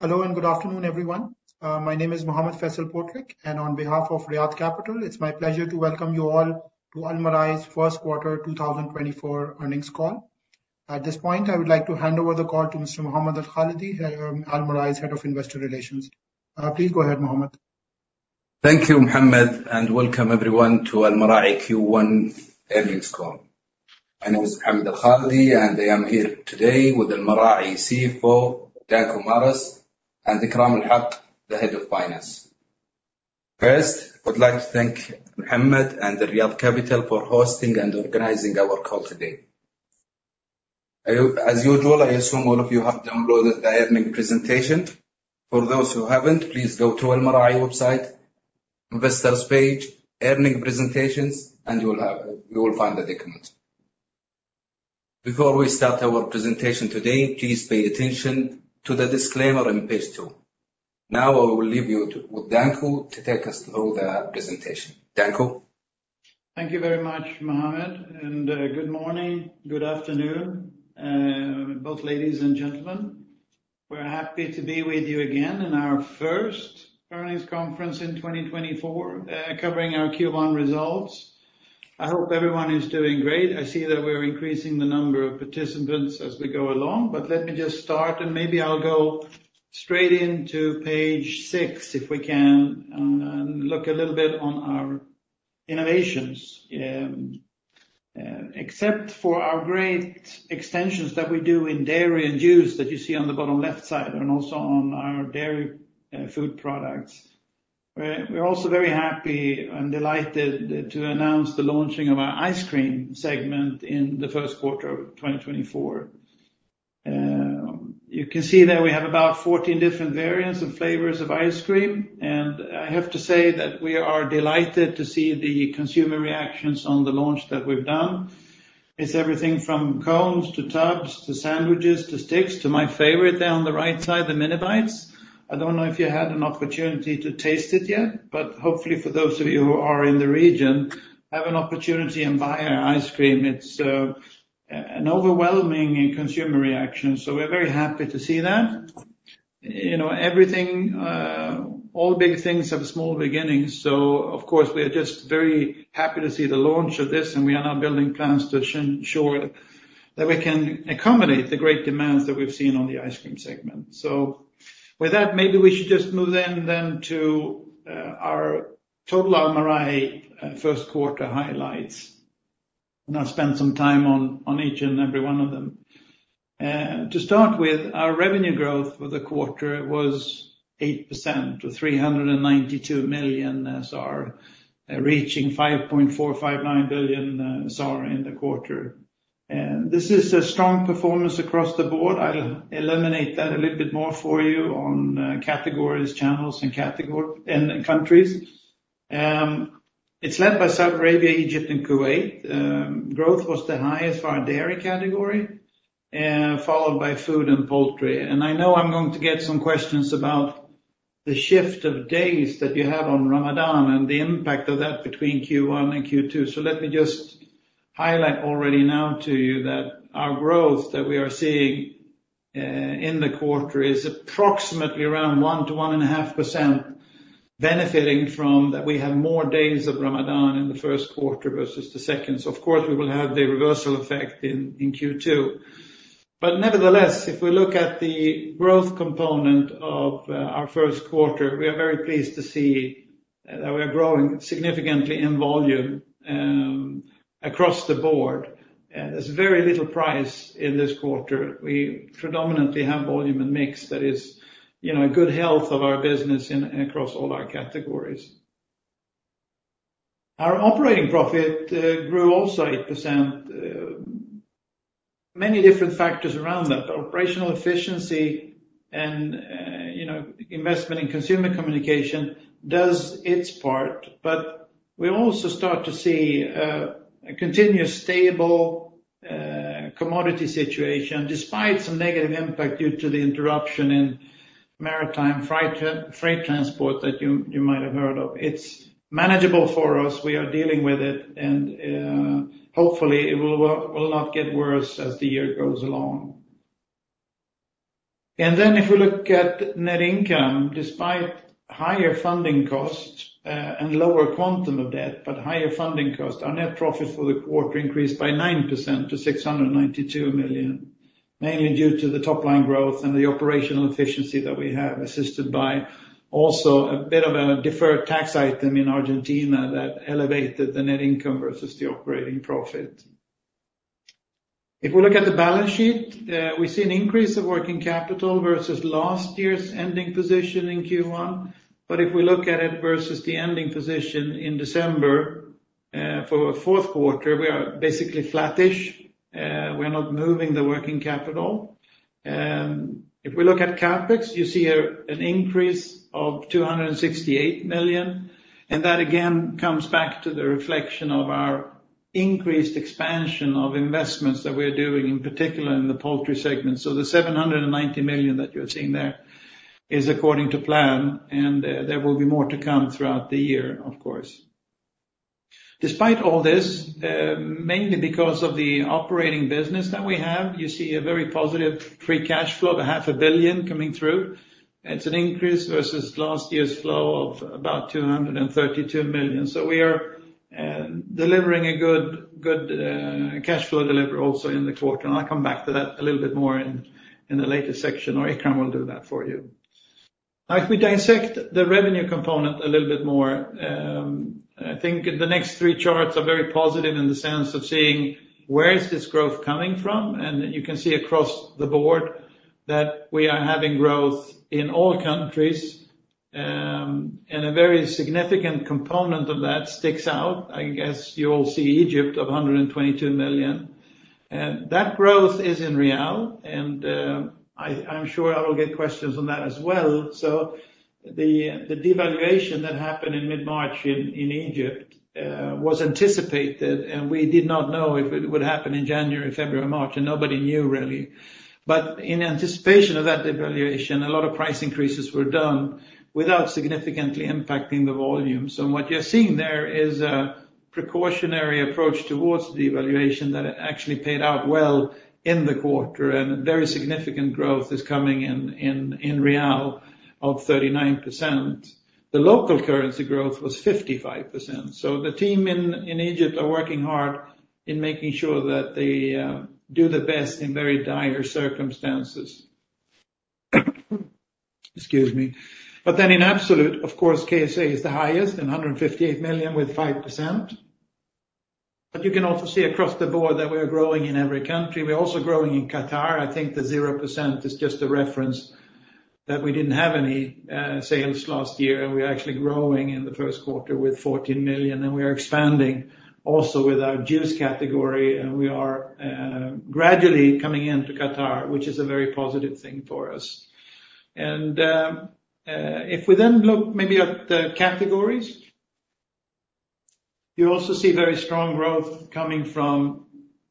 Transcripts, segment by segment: Hello and good afternoon, everyone. My name is Muhammad Faisal Potrik, and on behalf of Riyad Capital, it's my pleasure to welcome you all to Almarai's first quarter 2024 earnings call. At this point, I would like to hand over the call to Mr. Mohammad Al-Khalidi, Almarai's Head of Investor Relations. Please go ahead, Mohammad. Thank you, Muhammad, and welcome everyone to Almarai Q1 earnings call. My name is Mohammad Al-Khalidi, and I am here today with Almarai CFO Danko Maras and Ikram UlHaque, the Head of Finance. First, I would like to thank Muhammad and Riyad Capital for hosting and organizing our call today. As usual, I assume all of you have downloaded the earnings presentation. For those who haven't, please go to Almarai website Investors page Earnings Presentations, and you will find the document. Before we start our presentation today, please pay attention to the disclaimer on page 2. Now I will leave you with Danko to take us through the presentation. Danko? Thank you very much, Mohammad, and good morning, good afternoon, both ladies and gentlemen. We're happy to be with you again in our first earnings conference in 2024 covering our Q1 results. I hope everyone is doing great. I see that we're increasing the number of participants as we go along, but let me just start, and maybe I'll go straight into page 6 if we can and look a little bit on our innovations. Except for our great extensions that we do in dairy and juice that you see on the bottom left side and also on our dairy food products, we're also very happy and delighted to announce the launching of our ice cream segment in the first quarter of 2024. You can see that we have about 14 different variants and flavors of ice cream, and I have to say that we are delighted to see the consumer reactions on the launch that we've done. It's everything from cones to tubs to sandwiches to sticks to my favorite there on the right side, the Mini Bites. I don't know if you had an opportunity to taste it yet, but hopefully for those of you who are in the region, have an opportunity and buy our ice cream. It's an overwhelming consumer reaction, so we're very happy to see that. All big things have a small beginning, so of course we are just very happy to see the launch of this, and we are now building plans to ensure that we can accommodate the great demands that we've seen on the ice cream segment. So with that, maybe we should just move then to our total Almarai first quarter highlights, and I'll spend some time on each and every one of them. To start with, our revenue growth for the quarter was 8%, to 392 million, reaching 5.459 billion in the quarter. This is a strong performance across the board. I'll eliminate that a little bit more for you on categories, channels, and countries. It's led by Saudi Arabia, Egypt, and Kuwait. Growth was the highest for our dairy category, followed by food and poultry. And I know I'm going to get some questions about the shift of days that you have on Ramadan and the impact of that between Q1 and Q2. So let me just highlight already now to you that our growth that we are seeing in the quarter is approximately around 1%-1.5% benefiting from that we have more days of Ramadan in the first quarter versus the second. So of course we will have the reversal effect in Q2. But nevertheless, if we look at the growth component of our first quarter, we are very pleased to see that we are growing significantly in volume across the board. There's very little price in this quarter. We predominantly have volume and mix. That is a good health of our business across all our categories. Our operating profit grew also 8%. Many different factors around that, but operational efficiency and investment in consumer communication does its part. But we also start to see a continuous stable commodity situation, despite some negative impact due to the interruption in maritime freight transport that you might have heard of. It's manageable for us. We are dealing with it, and hopefully it will not get worse as the year goes along. And then if we look at net income, despite higher funding costs and lower quantum of debt, but higher funding costs, our net profit for the quarter increased by 9% to 692 million, mainly due to the top-line growth and the operational efficiency that we have, assisted by also a bit of a deferred tax item in Argentina that elevated the net income versus the operating profit. If we look at the balance sheet, we see an increase of working capital versus last year's ending position in Q1. But if we look at it versus the ending position in December for a fourth quarter, we are basically flattish. We are not moving the working capital. If we look at CapEx, you see an increase of 268 million. And that again comes back to the reflection of our increased expansion of investments that we're doing, in particular in the poultry segment. So the 790 million that you're seeing there is according to plan, and there will be more to come throughout the year, of course. Despite all this, mainly because of the operating business that we have, you see a very positive free cash flow of 500 million coming through. It's an increase versus last year's flow of about 232 million. So we are delivering a good cash flow delivery also in the quarter. I'll come back to that a little bit more in the later section, or Ikram will do that for you. Now, if we dissect the revenue component a little bit more, I think the next three charts are very positive in the sense of seeing where is this growth coming from. You can see across the board that we are having growth in all countries, and a very significant component of that sticks out. I guess you all see Egypt of 122 million. That growth is in Riyal, and I'm sure I will get questions on that as well. The devaluation that happened in mid-March in Egypt was anticipated, and we did not know if it would happen in January, February, March, and nobody knew really. In anticipation of that devaluation, a lot of price increases were done without significantly impacting the volume. So what you're seeing there is a precautionary approach towards devaluation that actually paid out well in the quarter, and very significant growth is coming in Riyal of 39%. The local currency growth was 55%. So the team in Egypt are working hard in making sure that they do the best in very dire circumstances. Excuse me. But then in absolute, of course, KSA is the highest in 158 million with 5%. But you can also see across the board that we are growing in every country. We're also growing in Qatar. I think the 0% is just a reference that we didn't have any sales last year, and we're actually growing in the first quarter with 14 million. And we are expanding also with our juice category, and we are gradually coming into Qatar, which is a very positive thing for us. And if we then look maybe at the categories, you also see very strong growth coming from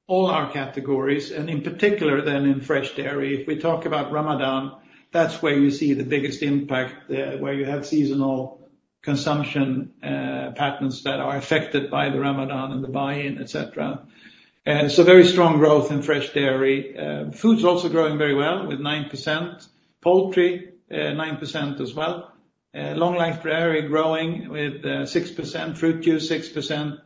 all our categories, and in particular then in fresh dairy. If we talk about Ramadan, that's where you see the biggest impact, where you have seasonal consumption patterns that are affected by the Ramadan and the buy-in, etc. So very strong growth in fresh dairy. Food's also growing very well with 9%. Poultry, 9% as well. Long-life dairy growing with 6%, fruit juice 6%,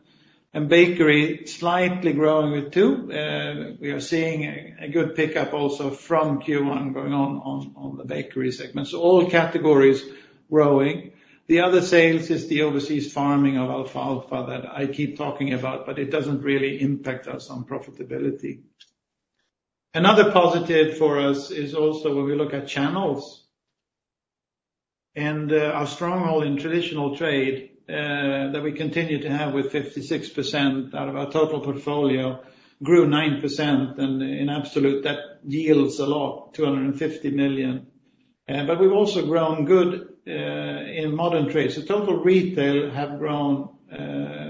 and bakery slightly growing with 2%. We are seeing a good pickup also from Q1 going on the bakery segment. So all categories growing. The other sales is the overseas farming of alfalfa that I keep talking about, but it doesn't really impact us on profitability. Another positive for us is also when we look at channels. And our stronghold in traditional trade that we continue to have with 56% out of our total portfolio grew 9%, and in absolute that yields a lot, 250 million. But we've also grown good in modern trade. So total retail have grown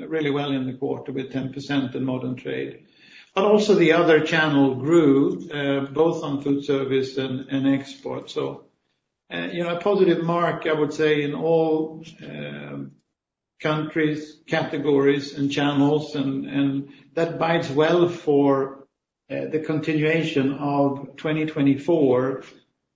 really well in the quarter with 10% in modern trade. But also the other channel grew, both on food service and export. So a positive mark, I would say, in all countries, categories, and channels. And that bites well for the continuation of 2024,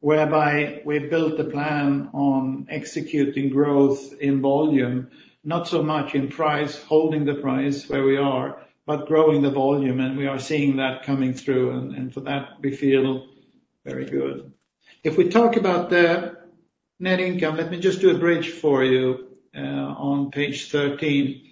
whereby we built a plan on executing growth in volume, not so much in price, holding the price where we are, but growing the volume. And we are seeing that coming through, and for that, we feel very good. If we talk about the net income, let me just do a bridge for you on page 13.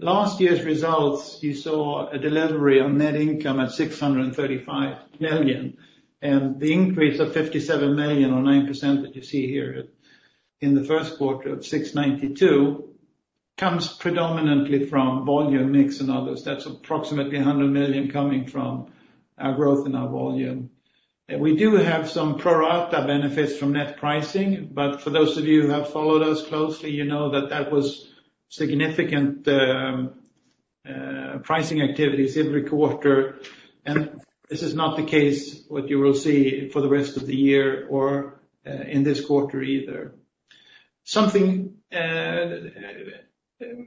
Last year's results, you saw a delivery on net income at 635 million. The increase of 57 million or 9% that you see here in the first quarter of 692 million comes predominantly from volume mix and others. That's approximately 100 million coming from our growth in our volume. We do have some pro-rata benefits from net pricing, but for those of you who have followed us closely, you know that that was significant pricing activities every quarter. This is not the case what you will see for the rest of the year or in this quarter either. Something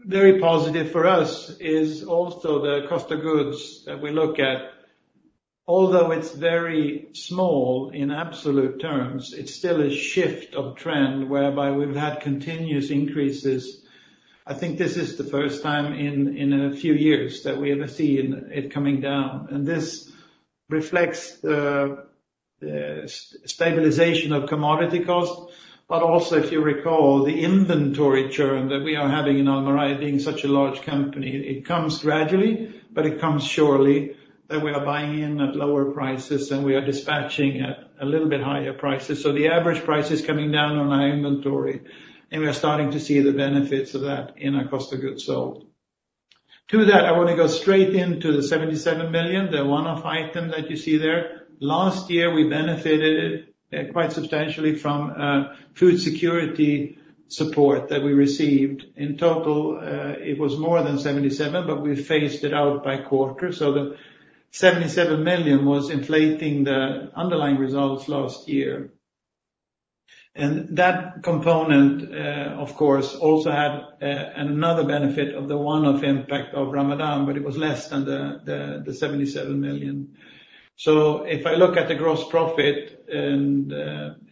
very positive for us is also the cost of goods that we look at. Although it's very small in absolute terms, it's still a shift of trend whereby we've had continuous increases. I think this is the first time in a few years that we ever see it coming down. This reflects the stabilization of commodity cost. Also, if you recall, the inventory churn that we are having in Almarai being such a large company, it comes gradually, but it comes surely that we are buying in at lower prices and we are dispatching at a little bit higher prices. The average price is coming down on our inventory, and we are starting to see the benefits of that in our cost of goods sold. To that, I want to go straight into the 77 million, the one-off item that you see there. Last year, we benefited quite substantially from food security support that we received. In total, it was more than 77 million, but we phased it out by quarter. The 77 million was inflating the underlying results last year. That component, of course, also had another benefit of the one-off impact of Ramadan, but it was less than the 77 million. So if I look at the gross profit, and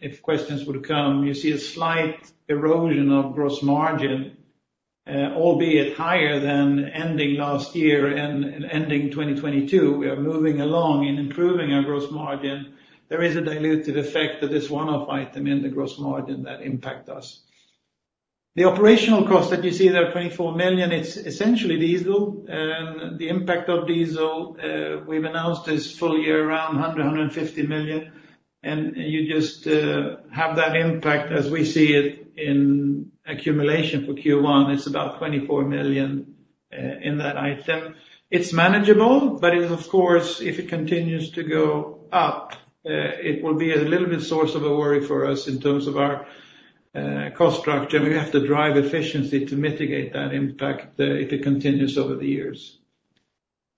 if questions would come, you see a slight erosion of gross margin, albeit higher than ending last year and ending 2022. We are moving along and improving our gross margin. There is a dilutive effect that this one-off item in the gross margin that impact us. The operational cost that you see there, 24 million, it's essentially diesel. And the impact of diesel, we've announced this full year around 100 million-150 million. And you just have that impact as we see it in accumulation for Q1. It's about 24 million in that item. It's manageable, but it's, of course, if it continues to go up, it will be a little bit source of a worry for us in terms of our cost structure. We have to drive efficiency to mitigate that impact if it continues over the years.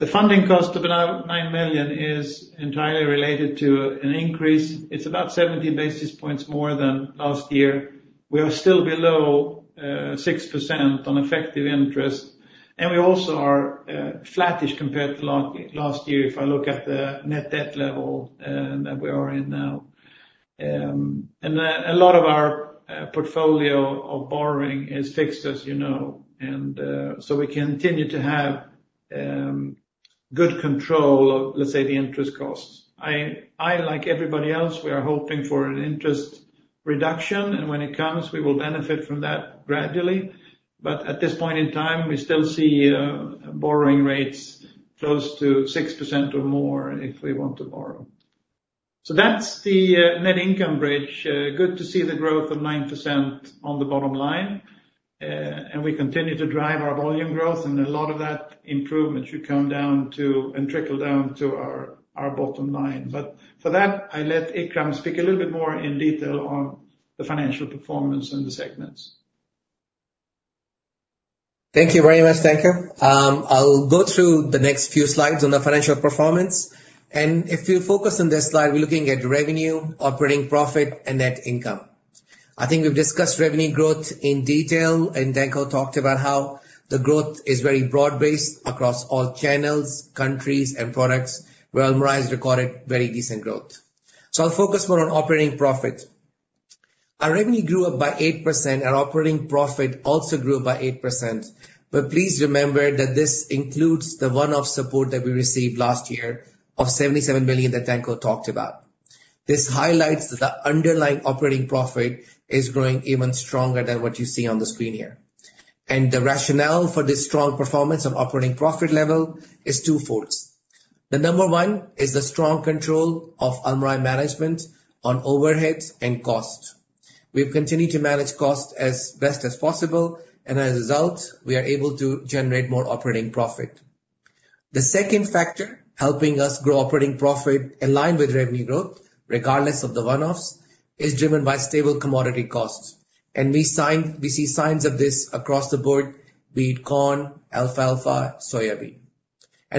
The funding cost of 9 million is entirely related to an increase. It's about 70 basis points more than last year. We are still below 6% on effective interest. We also are flattish compared to last year if I look at the net debt level that we are in now. A lot of our portfolio of borrowing is fixed, as you know. So we continue to have good control of, let's say, the interest costs. Like everybody else, we are hoping for an interest reduction, and when it comes, we will benefit from that gradually. But at this point in time, we still see borrowing rates close to 6% or more if we want to borrow. So that's the net income bridge. Good to see the growth of 9% on the bottom line. And we continue to drive our volume growth, and a lot of that improvement should come down to and trickle down to our bottom line. But for that, I let Ikram speak a little bit more in detail on the financial performance and the segments. Thank you very much, Danko. I'll go through the next few slides on the financial performance. If you focus on this slide, we're looking at revenue, operating profit, and net income. I think we've discussed revenue growth in detail, and Danko talked about how the growth is very broad-based across all channels, countries, and products, where Almarai has recorded very decent growth. I'll focus more on operating profit. Our revenue grew up by 8%. Our operating profit also grew up by 8%. But please remember that this includes the one-off support that we received last year of 77 million that Danko talked about. This highlights that the underlying operating profit is growing even stronger than what you see on the screen here. The rationale for this strong performance on operating profit level is twofold. The number one is the strong control of Almarai management on overhead and cost. We've continued to manage cost as best as possible, and as a result, we are able to generate more operating profit. The second factor helping us grow operating profit aligned with revenue growth, regardless of the one-offs, is driven by stable commodity costs. We see signs of this across the board, be it corn, alfalfa, soybean.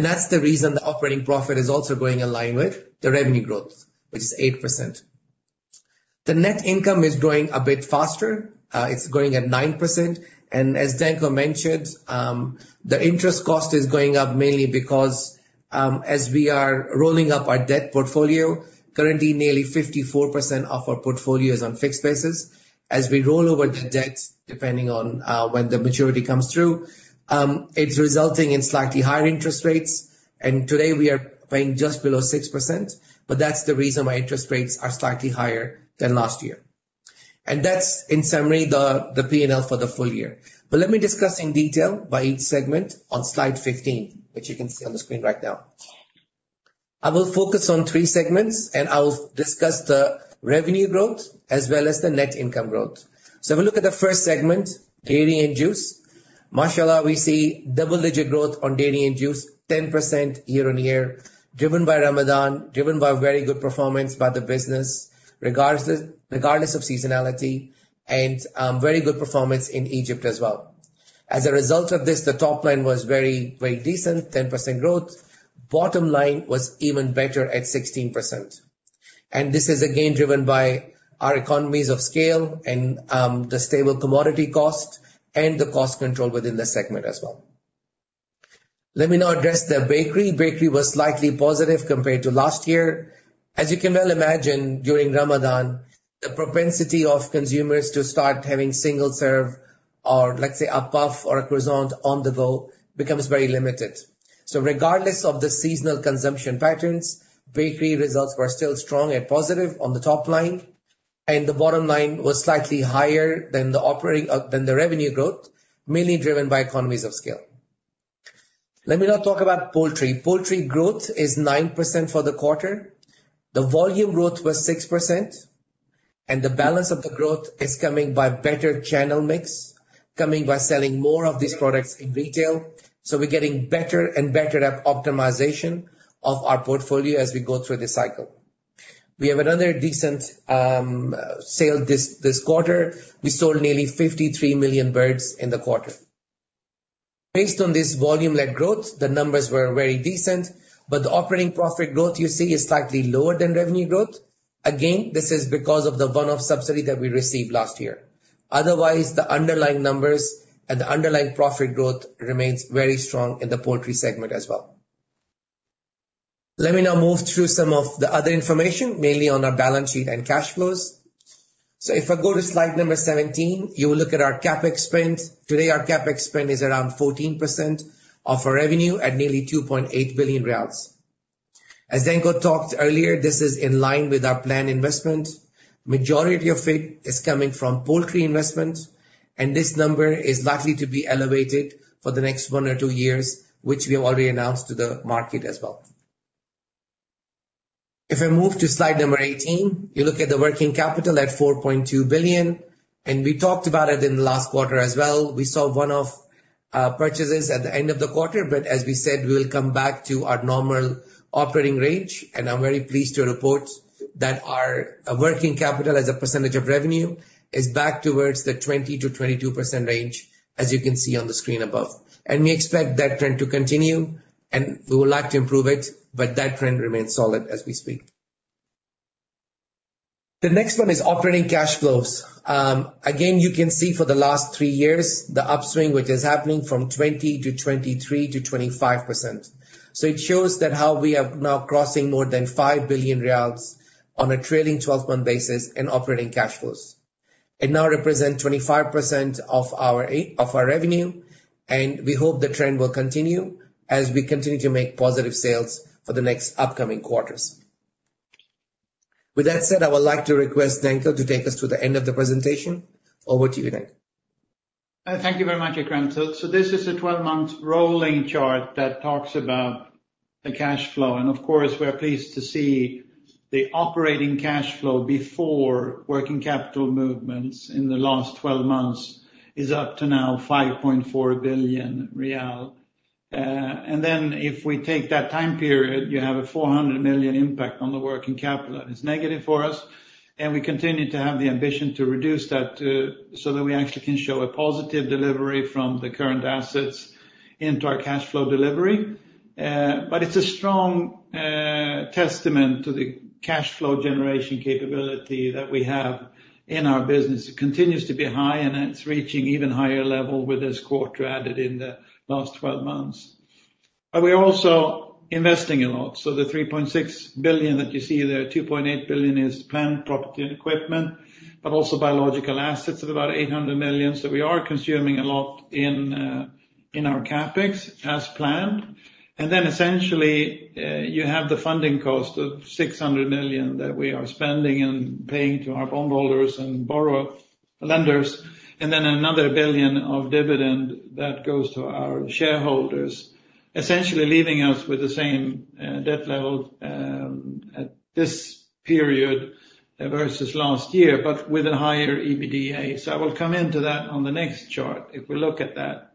That's the reason the operating profit is also going aligned with the revenue growth, which is 8%. The net income is growing a bit faster. It's growing at 9%. As Danko mentioned, the interest cost is going up mainly because as we are rolling up our debt portfolio, currently nearly 54% of our portfolio is on fixed basis. As we roll over the debt, depending on when the maturity comes through, it's resulting in slightly higher interest rates. Today, we are paying just below 6%, but that's the reason why interest rates are slightly higher than last year. That's, in summary, the P&L for the full year. Let me discuss in detail by each segment on slide 15, which you can see on the screen right now. I will focus on three segments, and I will discuss the revenue growth as well as the net income growth. If we look at the first segment, dairy and juice, mashallah, we see double-digit growth on dairy and juice, 10% year-over-year, driven by Ramadan, driven by very good performance by the business, regardless of seasonality, and very good performance in Egypt as well. As a result of this, the top line was very, very decent, 10% growth. Bottom line was even better at 16%. This is, again, driven by our economies of scale and the stable commodity cost and the cost control within the segment as well. Let me now address the bakery. Bakery was slightly positive compared to last year. As you can well imagine, during Ramadan, the propensity of consumers to start having single-serve or, let's say, a puff or a croissant on the go becomes very limited. So regardless of the seasonal consumption patterns, bakery results were still strong and positive on the top line. The bottom line was slightly higher than the revenue growth, mainly driven by economies of scale. Let me now talk about poultry. Poultry growth is 9% for the quarter. The volume growth was 6%. The balance of the growth is coming by better channel mix, coming by selling more of these products in retail. So we're getting better and better at optimization of our portfolio as we go through this cycle. We have another decent sale this quarter. We sold nearly 53 million birds in the quarter. Based on this volume-led growth, the numbers were very decent, but the operating profit growth you see is slightly lower than revenue growth. Again, this is because of the one-off subsidy that we received last year. Otherwise, the underlying numbers and the underlying profit growth remains very strong in the poultry segment as well. Let me now move through some of the other information, mainly on our balance sheet and cash flows. So if I go to slide number 17, you will look at our CapEx spend. Today, our CapEx spend is around 14% of our revenue at nearly 2.8 billion riyals. As Danko talked earlier, this is in line with our planned investment. The majority of it is coming from poultry investment, and this number is likely to be elevated for the next one or two years, which we have already announced to the market as well. If I move to slide number 18, you look at the working capital at 4.2 billion. And we talked about it in the last quarter as well. We saw one-off purchases at the end of the quarter, but as we said, we will come back to our normal operating range. And I'm very pleased to report that our working capital, as a percentage of revenue, is back towards the 20%-22% range, as you can see on the screen above. We expect that trend to continue, and we would like to improve it, but that trend remains solid as we speak. The next one is operating cash flows. Again, you can see for the last three years, the upswing, which is happening from 20% to 23% to 25%. So it shows that how we are now crossing more than 5 billion riyals on a trailing 12-month basis in operating cash flows. It now represents 25% of our revenue, and we hope the trend will continue as we continue to make positive sales for the next upcoming quarters. With that said, I would like to request Danko to take us to the end of the presentation. Over to you, Danko. Thank you very much, Ikram. So this is a 12-month rolling chart that talks about the cash flow. And of course, we're pleased to see the operating cash flow before working capital movements in the last 12 months is up to now SAR 5.4 billion. And then if we take that time period, you have a 400 million impact on the working capital. It's negative for us, and we continue to have the ambition to reduce that so that we actually can show a positive delivery from the current assets into our cash flow delivery. But it's a strong testament to the cash flow generation capability that we have in our business. It continues to be high, and it's reaching even higher levels with this quarter added in the last 12 months. But we're also investing a lot. So the 3.6 billion that you see there, 2.8 billion is planned property and equipment, but also biological assets of about 800 million. So we are consuming a lot in our CapEx as planned. And then essentially, you have the funding cost of 600 million that we are spending and paying to our bondholders and lenders, and then another 1 billion of dividend that goes to our shareholders, essentially leaving us with the same debt level at this period versus last year, but with a higher EBITDA. So I will come into that on the next chart if we look at that.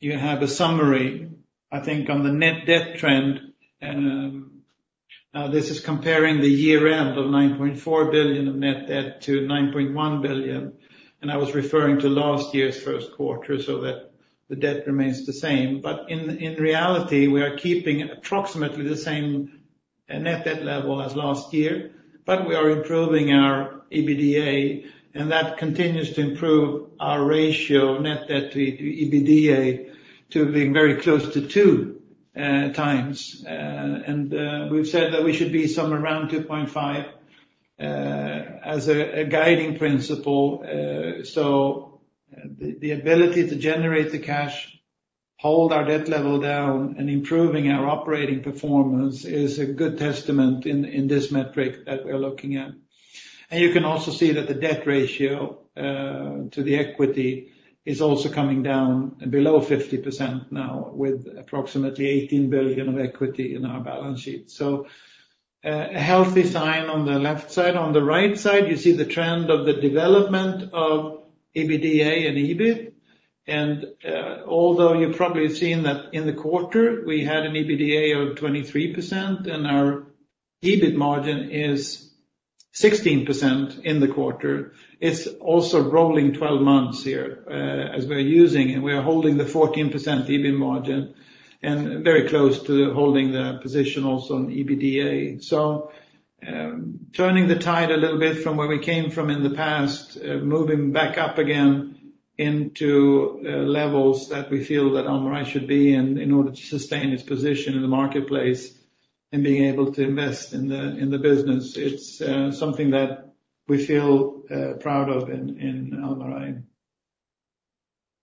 You have a summary, I think, on the net debt trend. Now, this is comparing the year-end of 9.4 billion of net debt to 9.1 billion. And I was referring to last year's first quarter so that the debt remains the same. But in reality, we are keeping approximately the same net debt level as last year, but we are improving our EBITDA, and that continues to improve our ratio of net debt to EBITDA to being very close to 2 times. And we've said that we should be somewhere around 2.5 as a guiding principle. So the ability to generate the cash, hold our debt level down, and improving our operating performance is a good testament in this metric that we're looking at. And you can also see that the debt ratio to the equity is also coming down below 50% now with approximately 18 billion of equity in our balance sheet. So a healthy sign on the left side. On the right side, you see the trend of the development of EBITDA and EBIT. And although you probably have seen that in the quarter, we had an EBITDA of 23%, and our EBIT margin is 16% in the quarter, it's also rolling 12 months here as we're using, and we are holding the 14% EBIT margin and very close to holding the position also on EBITDA. So turning the tide a little bit from where we came from in the past, moving back up again into levels that we feel that Almarai should be in in order to sustain its position in the marketplace and being able to invest in the business, it's something that we feel proud of in Almarai.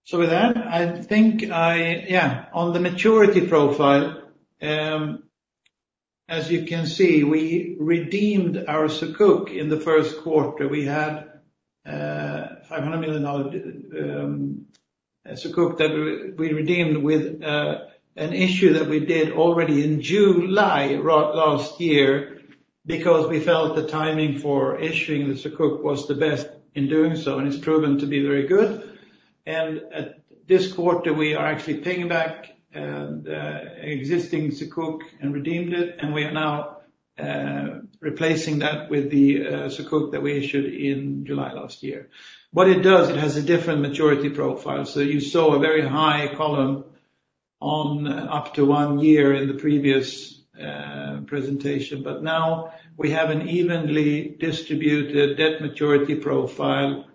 So with that, I think, yeah, on the maturity profile, as you can see, we redeemed our Sukuk in the first quarter. We had $500 million sukuk that we redeemed with an issue that we did already in July last year because we felt the timing for issuing the sukuk was the best in doing so, and it's proven to be very good. And this quarter, we are actually paying back an existing sukuk and redeemed it, and we are now replacing that with the sukuk that we issued in July last year. What it does, it has a different maturity profile. So you saw a very high column on up to one year in the previous presentation, but now we have an evenly distributed debt maturity profile.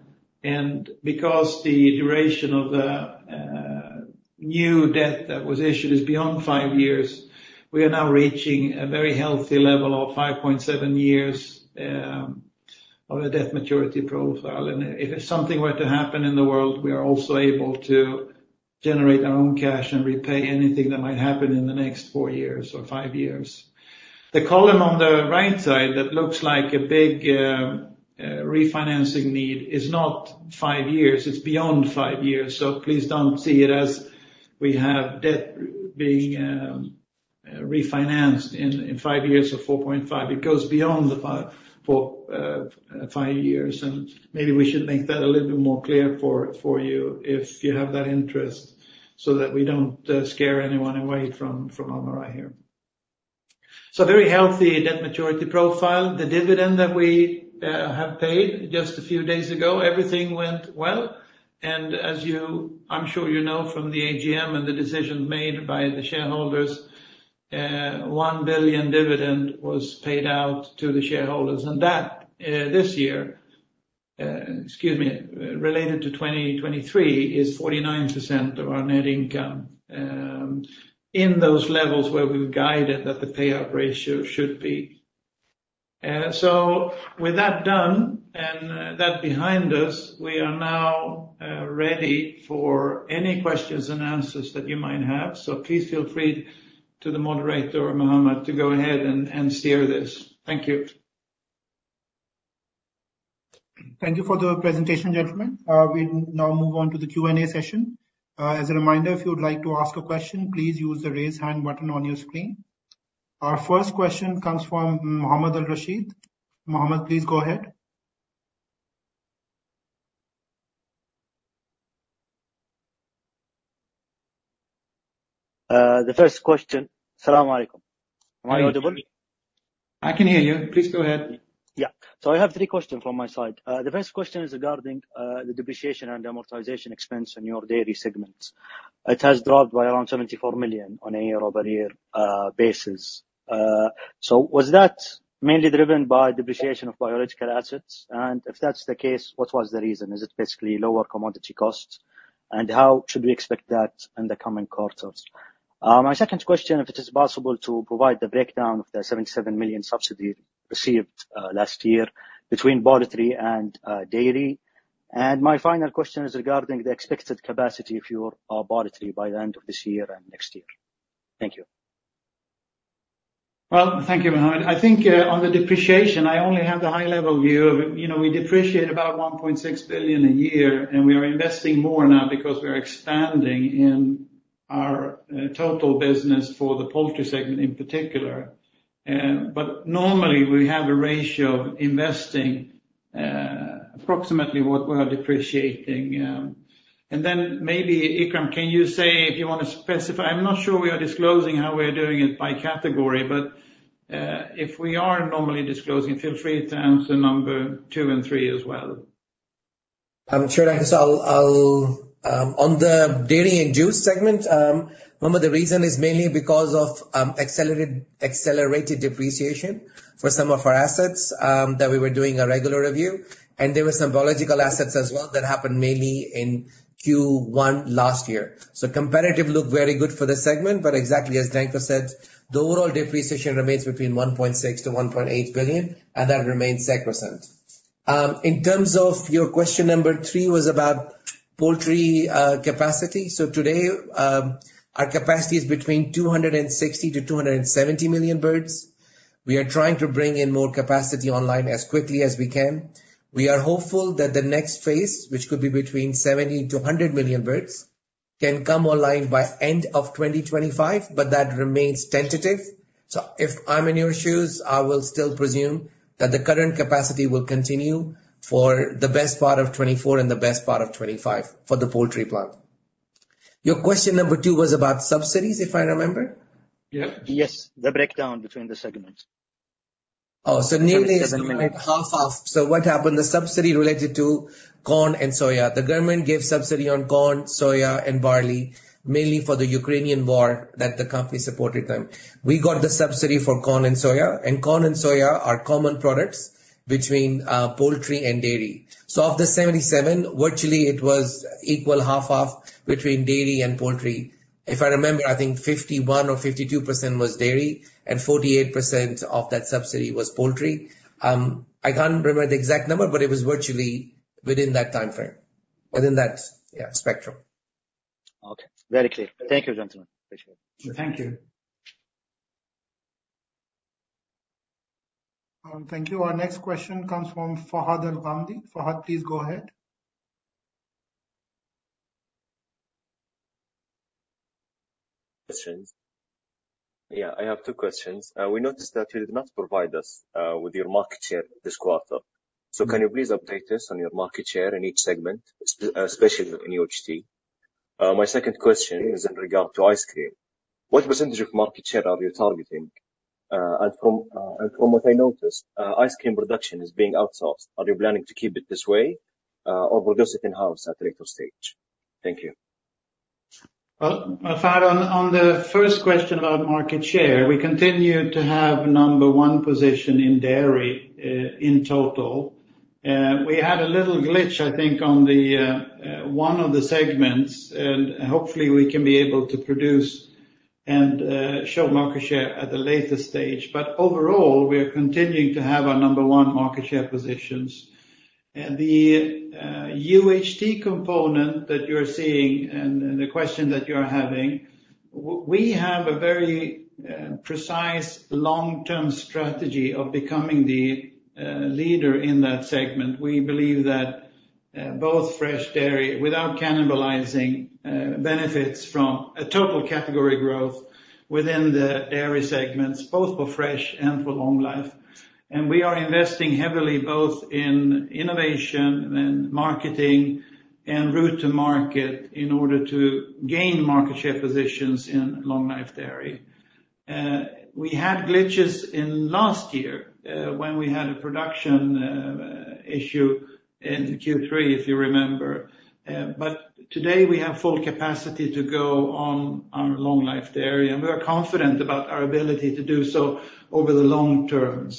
And because the duration of the new debt that was issued is beyond five years, we are now reaching a very healthy level of 5.7 years of a debt maturity profile. If something were to happen in the world, we are also able to generate our own cash and repay anything that might happen in the next four years or five years. The column on the right side that looks like a big refinancing need is not five years. It's beyond five years. So please don't see it as we have debt being refinanced in five years or 4.5. It goes beyond the five years, and maybe we should make that a little bit more clear for you if you have that interest so that we don't scare anyone away from Almarai here. Very healthy debt maturity profile. The dividend that we have paid just a few days ago, everything went well. As you, I'm sure you know from the AGM and the decision made by the shareholders, $1 billion dividend was paid out to the shareholders. That this year, excuse me, related to 2023, is 49% of our net income in those levels where we've guided that the payout ratio should be. So with that done and that behind us, we are now ready for any questions and answers that you might have. Please feel free to the moderator, Muhammad, to go ahead and steer this. Thank you. Thank you for the presentation, gentlemen. We now move on to the Q&A session. As a reminder, if you would like to ask a question, please use the raise hand button on your screen. Our first question comes from Mohammad Al-Rashid. Mohammad, please go ahead. The first question. Assalamu alaikum. Am I audible? I can hear you. Please go ahead. Yeah. So I have three questions from my side. The first question is regarding the depreciation and amortization expense in your dairy segments. It has dropped by around 74 million on a year-over-year basis. So was that mainly driven by depreciation of biological assets? And if that's the case, what was the reason? Is it basically lower commodity costs? And how should we expect that in the coming quarters? My second question, if it is possible to provide the breakdown of the 77 million subsidy received last year between poultry and dairy. And my final question is regarding the expected capacity of your poultry by the end of this year and next year. Thank you. Well, thank you, Mohammad. I think on the depreciation, I only have the high-level view of we depreciate about 1.6 billion a year, and we are investing more now because we are expanding in our total business for the poultry segment in particular. But normally, we have a ratio of investing approximately what we are depreciating. And then maybe, Ikram, can you say if you want to specify? I'm not sure we are disclosing how we are doing it by category, but if we are normally disclosing, feel free to answer number two and three as well. Sure, [Nahis]. On the dairy and juice segment, one of the reasons is mainly because of accelerated depreciation for some of our assets that we were doing a regular review. And there were some biological assets as well that happened mainly in Q1 last year. So EBIT looked very good for the segment, but exactly as Danko said, the overall depreciation remains between 1.6 billion-1.8 billion, and that remains 7%. In terms of your question number three, it was about poultry capacity. So today, our capacity is between 260 million-270 million birds. We are trying to bring in more capacity online as quickly as we can. We are hopeful that the next phase, which could be between 70 million-100 million birds, can come online by the end of 2025, but that remains tentative. So if I'm in your shoes, I will still presume that the current capacity will continue for the best part of 2024 and the best part of 2025 for the poultry plant. Your question number two was about subsidies, if I remember. Yes. Yes, the breakdown between the segments. Oh, so nearly half of. So what happened? The subsidy related to corn and soya. The government gave subsidy on corn, soya, and barley, mainly for the Ukraine war that the company supported them. We got the subsidy for corn and soya, and corn and soya are common products between poultry and dairy. So of the 77, virtually, it was equal half of between dairy and poultry. If I remember, I think 51% or 52% was dairy, and 48% of that subsidy was poultry. I can't remember the exact number, but it was virtually within that time frame, within that spectrum. Okay. Very clear. Thank you, gentlemen. Appreciate it. Thank you. Thank you. Our next question comes from Fahad Al-Ghamdi. Fahad, please go ahead. Questions. Yeah, I have two questions. We noticed that you did not provide us with your market share this quarter. So can you please update us on your market share in each segment, especially in UHT? My second question is in regard to ice cream. What percentage of market share are you targeting? And from what I noticed, ice cream production is being outsourced. Are you planning to keep it this way or produce it in-house at a later stage? Thank you. Well, Fahad, on the first question about market share, we continue to have number one position in dairy in total. We had a little glitch, I think, on one of the segments, and hopefully, we can be able to produce and show market share at the later stage. But overall, we are continuing to have our number one market share positions. The UHT component that you are seeing and the question that you are having, we have a very precise long-term strategy of becoming the leader in that segment. We believe that both fresh dairy, without cannibalizing, benefits from a total category growth within the dairy segments, both for fresh and for long life. We are investing heavily both in innovation and marketing and route to market in order to gain market share positions in long-life dairy. We had glitches last year when we had a production issue in Q3, if you remember. Today, we have full capacity to go on our long-life dairy, and we are confident about our ability to do so over the long term.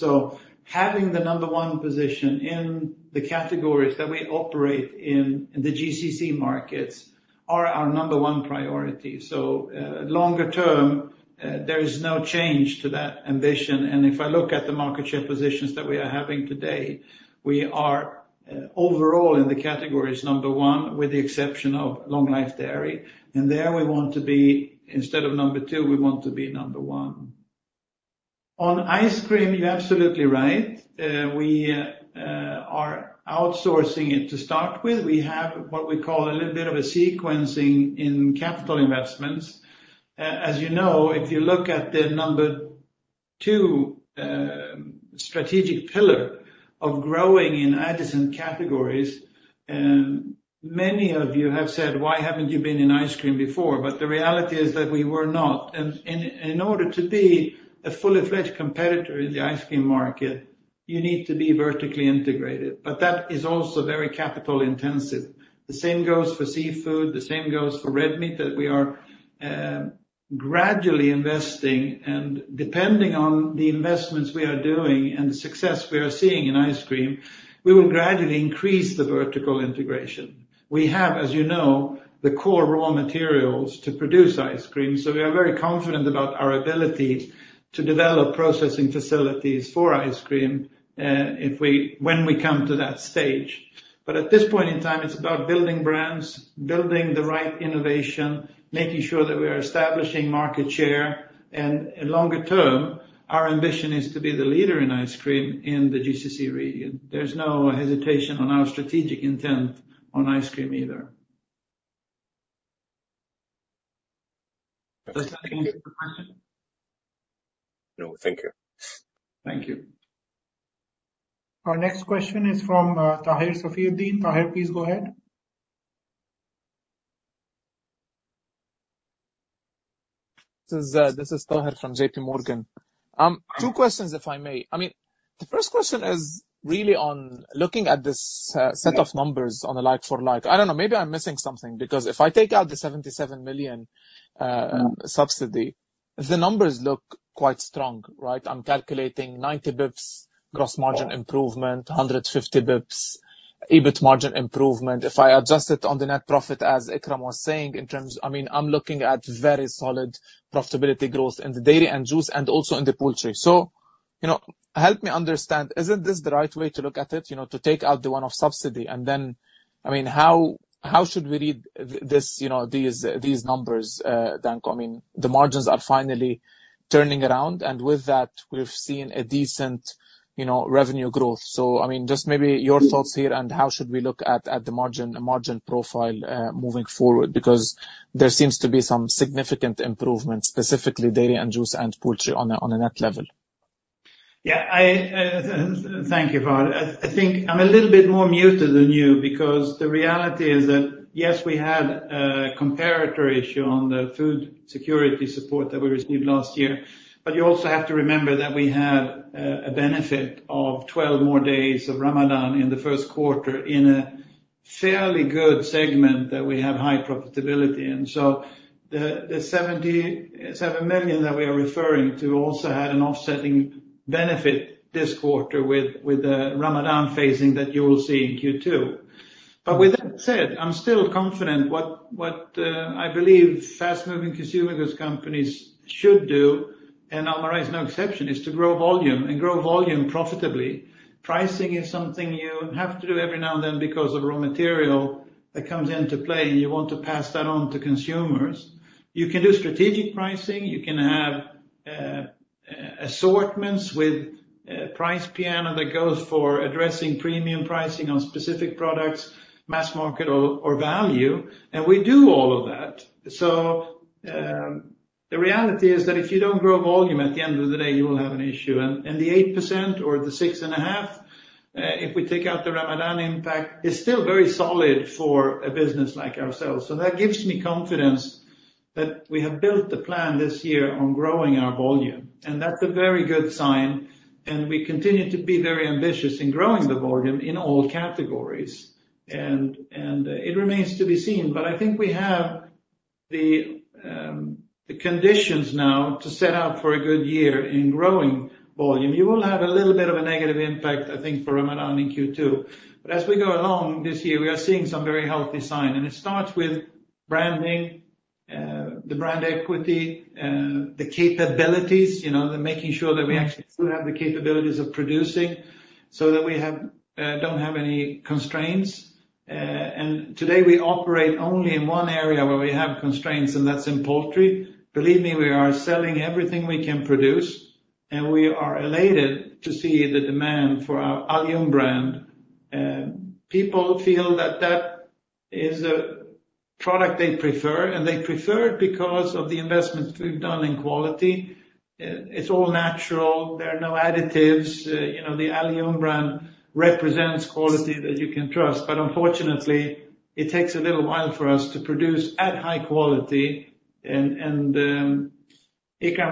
Having the number one position in the categories that we operate in the GCC markets is our number one priority. Longer term, there is no change to that ambition. If I look at the market share positions that we are having today, we are overall in the categories number one, with the exception of long-life dairy. There, we want to be instead of number two, we want to be number one. On ice cream, you're absolutely right. We are outsourcing it to start with. We have what we call a little bit of a sequencing in capital investments. As you know, if you look at the number two strategic pillar of growing in adjacent categories, many of you have said, "Why haven't you been in ice cream before?" But the reality is that we were not. And in order to be a fully-fledged competitor in the ice cream market, you need to be vertically integrated. But that is also very capital-intensive. The same goes for seafood. The same goes for red meat that we are gradually investing. And depending on the investments we are doing and the success we are seeing in ice cream, we will gradually increase the vertical integration. We have, as you know, the core raw materials to produce ice cream. So we are very confident about our ability to develop processing facilities for ice cream when we come to that stage. At this point in time, it's about building brands, building the right innovation, making sure that we are establishing market share. Longer term, our ambition is to be the leader in ice cream in the GCC region. There's no hesitation on our strategic intent on ice cream either. Does that answer the question? No, thank you. Thank you. Our next question is from Taher Safieddine. Taher, please go ahead. This is Taher from JPMorgan. Two questions, if I may. I mean, the first question is really on looking at this set of numbers on a like-for-like. I don't know. Maybe I'm missing something because if I take out the 77 million subsidy, the numbers look quite strong, right? I'm calculating 90 basis points gross margin improvement, 150 basis points EBIT margin improvement. If I adjust it on the net profit, as Ikram was saying, in terms I mean, I'm looking at very solid profitability growth in the dairy and juice and also in the poultry. So help me understand, isn't this the right way to look at it, to take out the one-off subsidy? And then, I mean, how should we read these numbers, Danko? I mean, the margins are finally turning around, and with that, we've seen a decent revenue growth. I mean, just maybe your thoughts here and how should we look at the margin profile moving forward because there seems to be some significant improvement, specifically dairy and juice and poultry, on a net level. Yeah, thank you, Fahad. I think I'm a little bit more muted than you because the reality is that, yes, we had a comparatory issue on the food security support that we received last year. But you also have to remember that we had a benefit of 12 more days of Ramadan in the first quarter in a fairly good segment that we have high profitability in. So the 77 million that we are referring to also had an offsetting benefit this quarter with the Ramadan phasing that you will see in Q2. But with that said, I'm still confident what I believe fast-moving consumer goods companies should do, and Almarai is no exception, is to grow volume and grow volume profitably. Pricing is something you have to do every now and then because of raw material that comes into play, and you want to pass that on to consumers. You can do strategic pricing. You can have assortments with price piano that goes for addressing premium pricing on specific products, mass market, or value. And we do all of that. So the reality is that if you don't grow volume at the end of the day, you will have an issue. And the 8% or the 6.5%, if we take out the Ramadan impact, is still very solid for a business like ourselves. So that gives me confidence that we have built the plan this year on growing our volume. And that's a very good sign. And we continue to be very ambitious in growing the volume in all categories. And it remains to be seen. But I think we have the conditions now to set up for a good year in growing volume. You will have a little bit of a negative impact, I think, for Ramadan in Q2. But as we go along this year, we are seeing some very healthy signs. And it starts with branding, the brand equity, the capabilities, making sure that we actually do have the capabilities of producing so that we don't have any constraints. And today, we operate only in one area where we have constraints, and that's in poultry. Believe me, we are selling everything we can produce. And we are elated to see the demand for our Alyoum brand. People feel that that is a product they prefer. And they prefer it because of the investments we've done in quality. It's all natural. There are no additives. The Alyoum brand represents quality that you can trust. But unfortunately, it takes a little while for us to produce at high quality. Ikram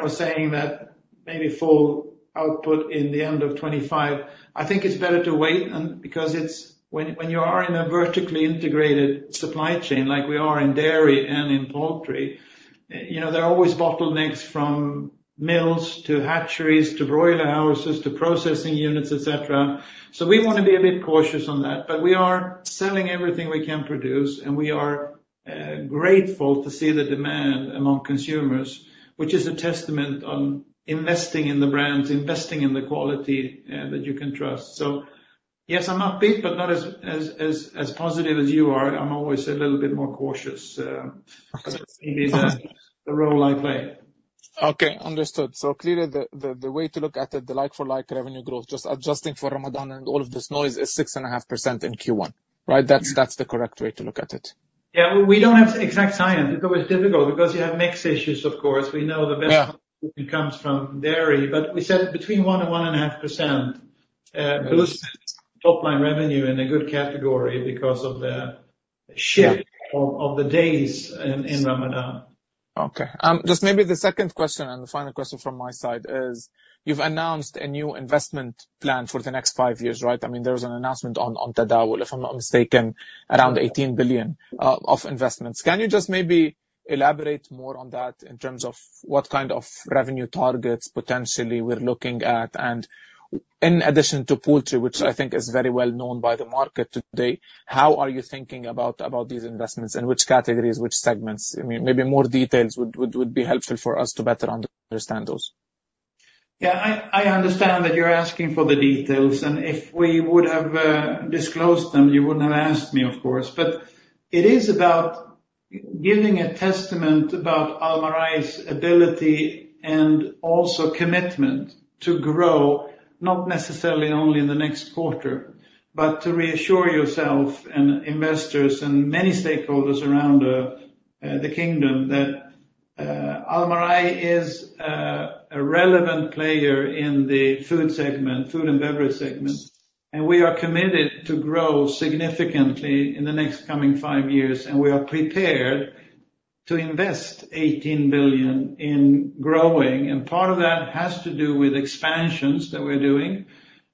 was saying that maybe full output in the end of 2025. I think it's better to wait because when you are in a vertically integrated supply chain like we are in dairy and in poultry, there are always bottlenecks from mills to hatcheries to broiler houses to processing units, etc. So we want to be a bit cautious on that. But we are selling everything we can produce. And we are grateful to see the demand among consumers, which is a testament on investing in the brands, investing in the quality that you can trust. So yes, I'm upbeat, but not as positive as you are. I'm always a little bit more cautious because it's maybe the role I play. Okay, understood. So clearly, the way to look at it, the like-for-like revenue growth, just adjusting for Ramadan and all of this noise, is 6.5% in Q1, right? That's the correct way to look at it. Yeah, we don't have exact science. It's always difficult because you have mixed issues, of course. We know the best comes from dairy. But we said between 1% and 1.5% boosts top-line revenue in a good category because of the shift of the days in Ramadan. Okay. Just maybe the second question and the final question from my side is you've announced a new investment plan for the next five years, right? I mean, there was an announcement on Tadawul, if I'm not mistaken, around 18 billion of investments. Can you just maybe elaborate more on that in terms of what kind of revenue targets potentially we're looking at? And in addition to poultry, which I think is very well known by the market today, how are you thinking about these investments and which categories, which segments? I mean, maybe more details would be helpful for us to better understand those. Yeah, I understand that you're asking for the details. And if we would have disclosed them, you wouldn't have asked me, of course. But it is about giving a testament about Almarai's ability and also commitment to grow, not necessarily only in the next quarter, but to reassure yourself and investors and many stakeholders around the kingdom that Almarai is a relevant player in the food segment, food and beverage segment. And we are committed to grow significantly in the next coming five years. And we are prepared to invest 18 billion in growing. And part of that has to do with expansions that we're doing,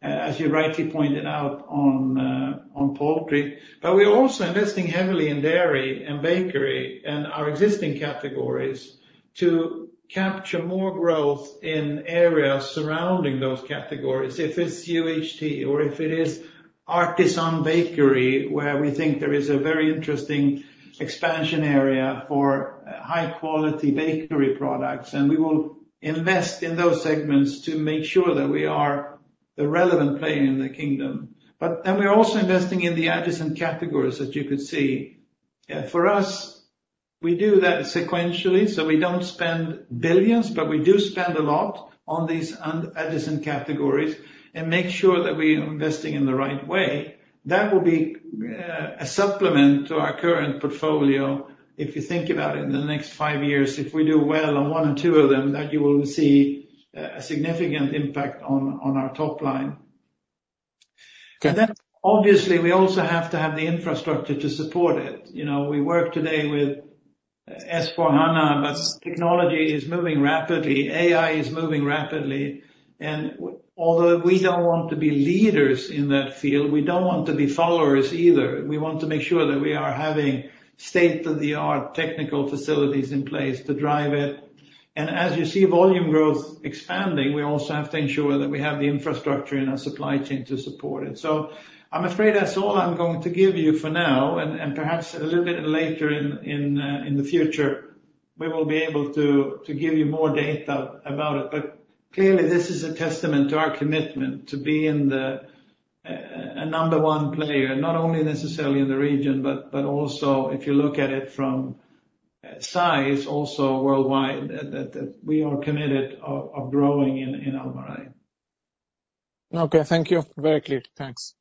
as you rightly pointed out on poultry. But we're also investing heavily in dairy and bakery and our existing categories to capture more growth in areas surrounding those categories, if it's UHT or if it is Artisan Bakery, where we think there is a very interesting expansion area for high-quality bakery products. And we will invest in those segments to make sure that we are the relevant player in the kingdom. But then we're also investing in the adjacent categories, as you could see. For us, we do that sequentially. So we don't spend billions, but we do spend a lot on these adjacent categories and make sure that we're investing in the right way. That will be a supplement to our current portfolio if you think about it in the next five years. If we do well on one or two of them, that you will see a significant impact on our top line. And then, obviously, we also have to have the infrastructure to support it. We work today with AS/400, but technology is moving rapidly. AI is moving rapidly. And although we don't want to be leaders in that field, we don't want to be followers either. We want to make sure that we are having state-of-the-art technical facilities in place to drive it. And as you see volume growth expanding, we also have to ensure that we have the infrastructure in our supply chain to support it. So I'm afraid that's all I'm going to give you for now. And perhaps a little bit later in the future, we will be able to give you more data about it. But clearly, this is a testament to our commitment to be a number one player, not only necessarily in the region, but also, if you look at it from size, also worldwide, that we are committed to growing in Almarai. Okay, thank you. Very clear. Thanks.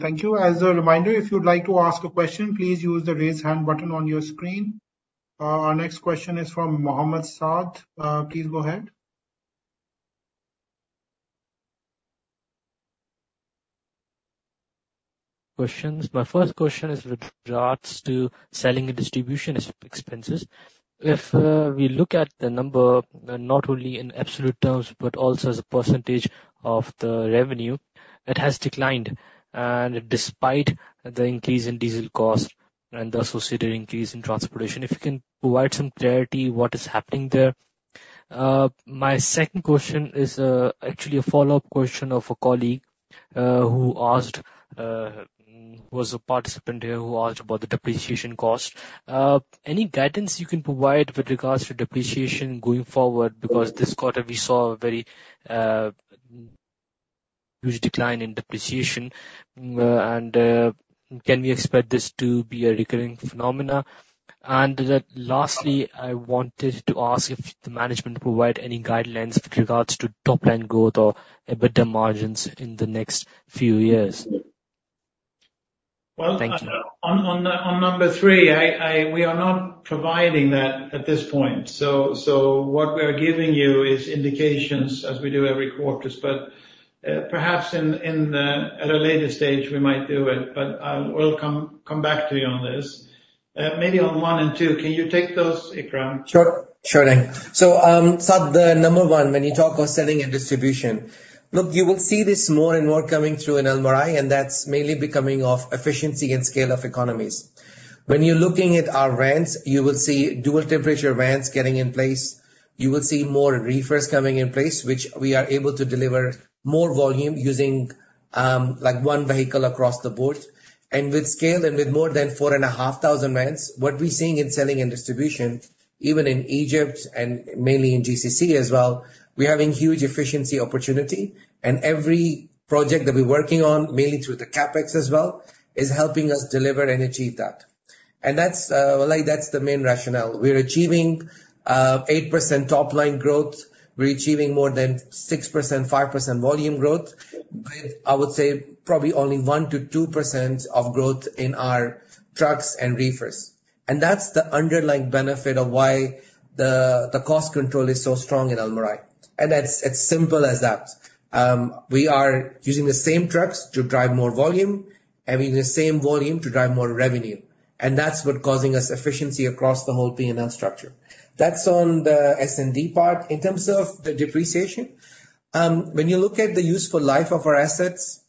Thank you. As a reminder, if you'd like to ask a question, please use the raise hand button on your screen. Our next question is from Mohammad Saad. Please go ahead. Questions. My first question is with regards to selling and distribution expenses. If we look at the number, not only in absolute terms but also as a percentage of the revenue, it has declined despite the increase in diesel costs and the associated increase in transportation. If you can provide some clarity what is happening there. My second question is actually a follow-up question of a colleague who asked who was a participant here who asked about the depreciation cost. Any guidance you can provide with regards to depreciation going forward because this quarter, we saw a very huge decline in depreciation. And can we expect this to be a recurring phenomenon? And lastly, I wanted to ask if the management provide any guidelines with regards to top-line growth or EBITDA margins in the next few years. Well, on number three, we are not providing that at this point. So what we are giving you is indications as we do every quarter. But perhaps at a later stage, we might do it. But I will come back to you on this. Maybe on one and two, can you take those, Ikram? Sure, Danko. So Saad, number one, when you talk about selling and distribution, look, you will see this more and more coming through in Almarai. And that's mainly because of efficiency and economies of scale. And when you're looking at our vans, you will see dual-temperature vans getting in place. You will see more reefers coming in place, which we are able to deliver more volume using one vehicle across the board. And with scale and with more than 4,500 vans, what we're seeing in selling and distribution, even in Egypt and mainly in GCC as well, we're having huge efficiency opportunity. And every project that we're working on, mainly through the CapEx as well, is helping us deliver and achieve that. And that's the main rationale. We're achieving 8% top-line growth. We're achieving more than 6%-5% volume growth with, I would say, probably only 1%-2% of growth in our trucks and reefers. That's the underlying benefit of why the cost control is so strong in Almarai. It's simple as that. We are using the same trucks to drive more volume. Having the same volume to drive more revenue. That's what's causing us efficiency across the whole P&L structure. That's on the S&D part in terms of the depreciation. When you look at the useful life of our assets,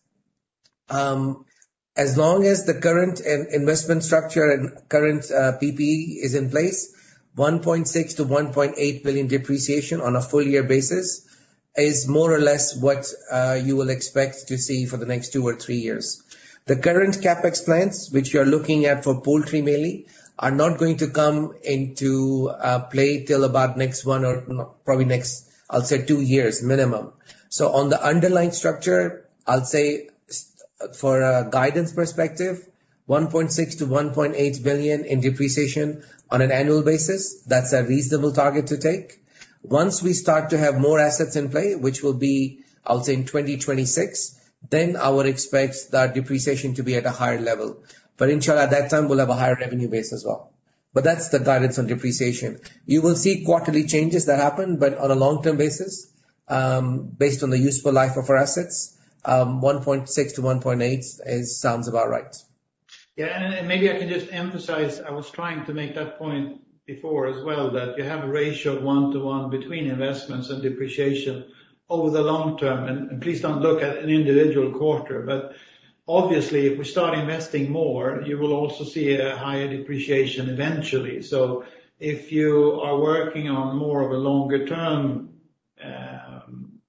as long as the current investment structure and current PPE is in place, 1.6 billion-1.8 billion depreciation on a full-year basis is more or less what you will expect to see for the next two or three years. The current CapEx plants, which you're looking at for poultry mainly, are not going to come into play till about next one or probably next, I'll say, two years minimum. So on the underlying structure, I'll say, for a guidance perspective, 1.6 billion-1.8 billion in depreciation on an annual basis, that's a reasonable target to take. Once we start to have more assets in play, which will be, I'll say, in 2026, then I would expect that depreciation to be at a higher level. But inshallah, at that time, we'll have a higher revenue base as well. But that's the guidance on depreciation. You will see quarterly changes that happen. But on a long-term basis, based on the useful life of our assets, 1.6 to 1.8 sounds about right. Yeah, and maybe I can just emphasize I was trying to make that point before as well that you have a ratio of 1 to 1 between investments and depreciation over the long term. And please don't look at an individual quarter. But obviously, if we start investing more, you will also see a higher depreciation eventually. So if you are working on more of a longer-term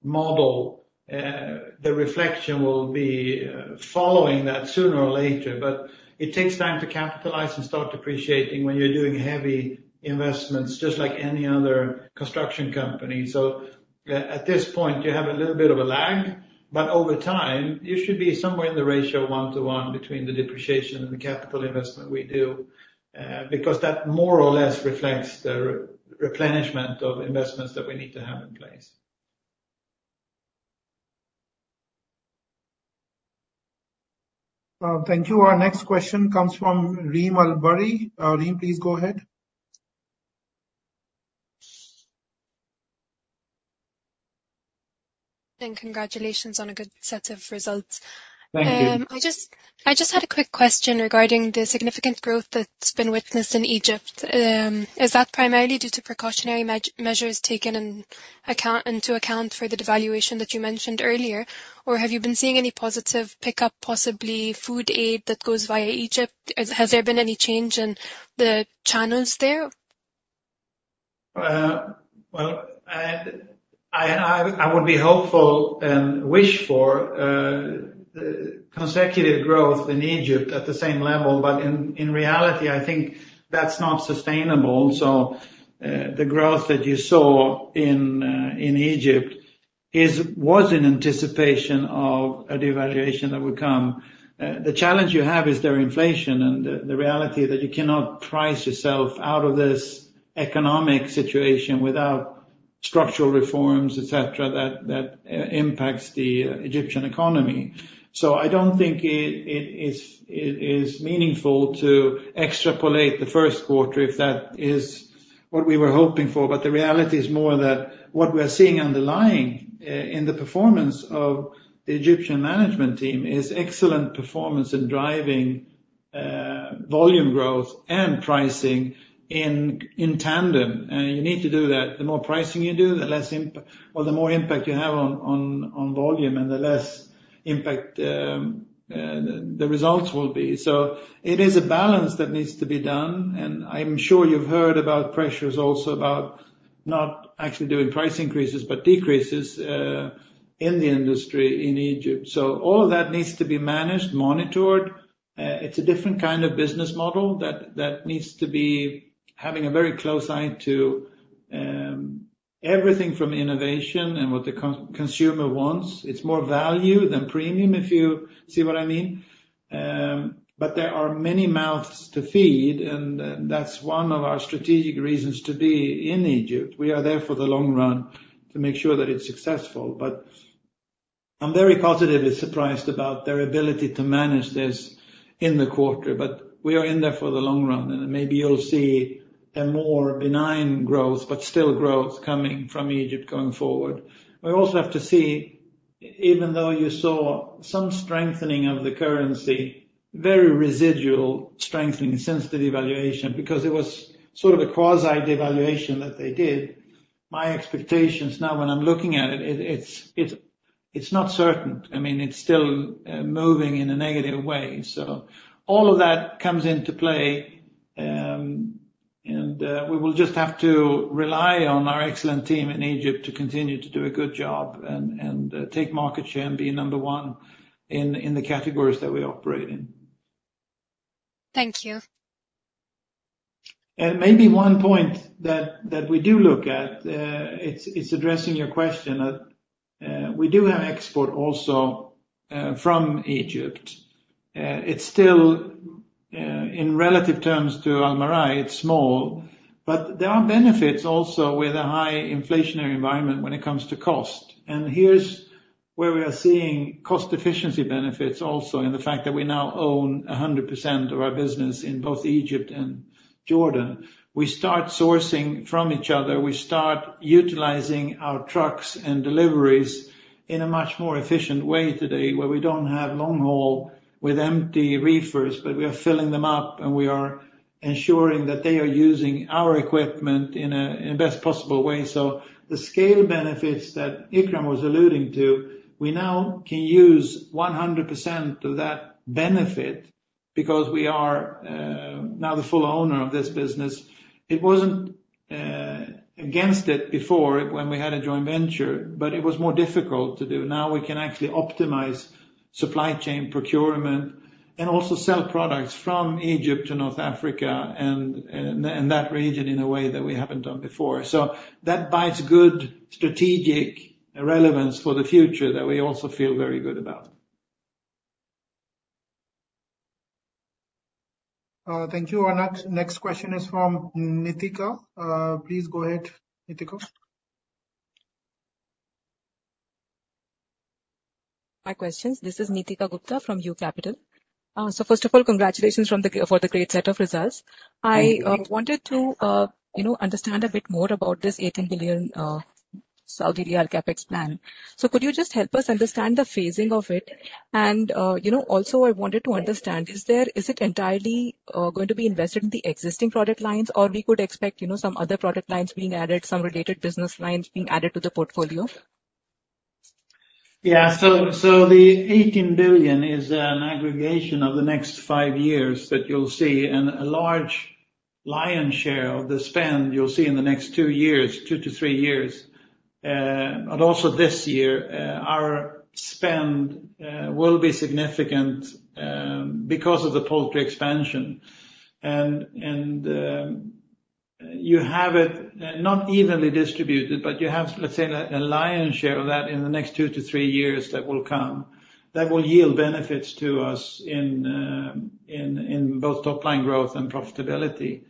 model, the reflection will be following that sooner or later. But it takes time to capitalize and start depreciating when you're doing heavy investments, just like any other construction company. So at this point, you have a little bit of a lag. But over time, you should be somewhere in the ratio of 1 to 1 between the depreciation and the capital investment we do because that more or less reflects the replenishment of investments that we need to have in place. Thank you. Our next question comes from Reem Al-Barri. Reem, please go ahead. Thank you. Congratulations on a good set of results. Thank you. I just had a quick question regarding the significant growth that's been witnessed in Egypt. Is that primarily due to precautionary measures taken into account for the devaluation that you mentioned earlier? Or have you been seeing any positive pickup, possibly food aid that goes via Egypt? Has there been any change in the channels there? Well, I would be hopeful and wish for consecutive growth in Egypt at the same level. But in reality, I think that's not sustainable. So the growth that you saw in Egypt was in anticipation of a devaluation that would come. The challenge you have is their inflation and the reality that you cannot price yourself out of this economic situation without structural reforms, etc., that impacts the Egyptian economy. So I don't think it is meaningful to extrapolate the first quarter if that is what we were hoping for. But the reality is more that what we are seeing underlying in the performance of the Egyptian management team is excellent performance in driving volume growth and pricing in tandem. And you need to do that. The more pricing you do, the more impact you have on volume, and the less impact the results will be. It is a balance that needs to be done. I'm sure you've heard about pressures also about not actually doing price increases but decreases in the industry in Egypt. All of that needs to be managed, monitored. It's a different kind of business model that needs to be having a very close eye to everything from innovation and what the consumer wants. It's more value than premium, if you see what I mean. There are many mouths to feed. That's one of our strategic reasons to be in Egypt. We are there for the long run to make sure that it's successful. I'm very positively surprised about their ability to manage this in the quarter. We are in there for the long run. Maybe you'll see a more benign growth but still growth coming from Egypt going forward. We also have to see, even though you saw some strengthening of the currency, very residual strengthening since the devaluation because it was sort of a quasi-devaluation that they did, my expectations now, when I'm looking at it, it's not certain. I mean, it's still moving in a negative way. So all of that comes into play. And we will just have to rely on our excellent team in Egypt to continue to do a good job and take market share and be number one in the categories that we operate in. Thank you. Maybe one point that we do look at, it's addressing your question, that we do have export also from Egypt. It's still, in relative terms to Almarai, it's small. But there are benefits also with a high inflationary environment when it comes to cost. And here's where we are seeing cost efficiency benefits also in the fact that we now own 100% of our business in both Egypt and Jordan. We start sourcing from each other. We start utilizing our trucks and deliveries in a much more efficient way today where we don't have long haul with empty reefers. But we are filling them up. And we are ensuring that they are using our equipment in the best possible way. So the scale benefits that Ikram was alluding to, we now can use 100% of that benefit because we are now the full owner of this business. It wasn't against it before when we had a joint venture. But it was more difficult to do. Now we can actually optimize supply chain procurement and also sell products from Egypt to North Africa and that region in a way that we haven't done before. So that has good strategic relevance for the future that we also feel very good about. Thank you. Our next question is from Neetika. Please go ahead, Neetika. Hi, questions. This is Neetika Gupta from U Capital. So first of all, congratulations for the great set of results. I wanted to understand a bit more about this 18 billion Saudi riyal CapEx plan. So could you just help us understand the phasing of it? And also, I wanted to understand, is it entirely going to be invested in the existing product lines? Or we could expect some other product lines being added, some related business lines being added to the portfolio? Yeah. So the 18 billion is an aggregation of the next five years that you'll see. And a large lion's share of the spend you'll see in the next two years, 2-3 years. But also this year, our spend will be significant because of the poultry expansion. And you have it not evenly distributed. But you have, let's say, a lion's share of that in the next 2-3 years that will come. That will yield benefits to us in both top-line growth and profitability.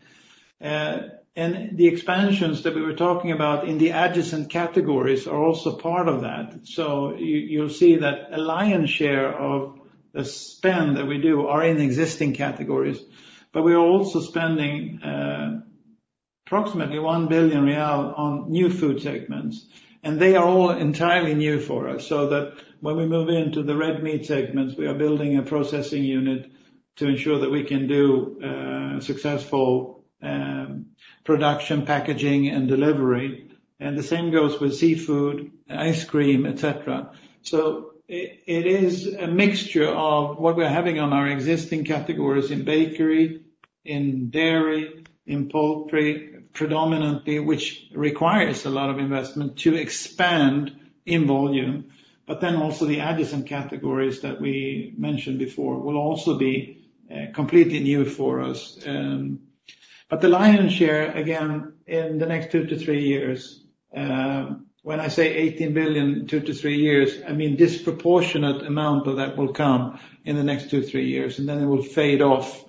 And the expansions that we were talking about in the adjacent categories are also part of that. So you'll see that a lion's share of the spend that we do are in existing categories. But we are also spending approximately SAR 1 billion on new food segments. And they are all entirely new for us. So that when we move into the red meat segments, we are building a processing unit to ensure that we can do successful production, packaging, and delivery. And the same goes with seafood, ice cream, etc. So it is a mixture of what we're having on our existing categories in bakery, in dairy, in poultry predominantly, which requires a lot of investment to expand in volume. But then also the adjacent categories that we mentioned before will also be completely new for us. But the lion's share, again, in the next two to three years, when I say 18 billion, two to three years, I mean disproportionate amount of that will come in the next two, three years. And then it will fade off.